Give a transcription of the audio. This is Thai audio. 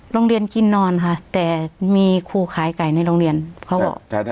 กินนอนค่ะแต่มีครูขายไก่ในโรงเรียนเขาบอก